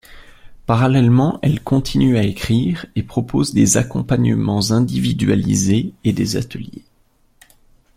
Parallèlement, elle continue à écrire, et propose des accompagnements individualisés et des ateliers.